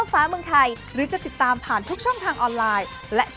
พร้อมเชิดฉลายแล้วนะ